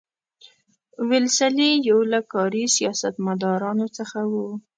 ویلسلي یو له کاري سیاستمدارانو څخه وو.